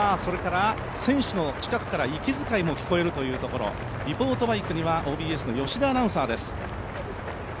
選手の近くから息遣いも聞こえるというところリポートバイクにはＯＢＳの吉田アナウンサーです。